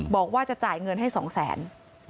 บอกว่าจะจ่ายเงินให้๒๐๐๐๐๐บาท